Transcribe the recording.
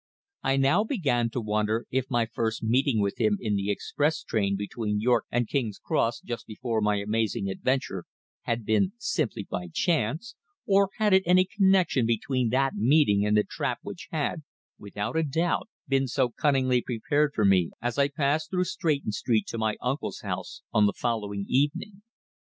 I now began to wonder if my first meeting with him in the express train between York and King's Cross just before my amazing adventure had been simply by chance, or had it any connection between that meeting and the trap which had, without a doubt, been so cunningly prepared for me as I passed through Stretton Street to my uncle's house on the following evening.